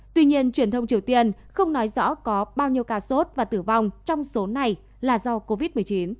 tuy nhiên truyền thông triều tiên không nói rõ có bao nhiêu ca sốt và tử vong trong số này là do covid một mươi chín